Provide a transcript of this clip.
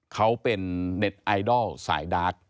เขาเป็นเน็ตไอดอลสายดาร์ก